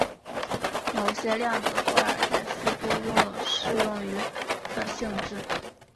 某些量子霍尔态似乎拥有适用于的性质。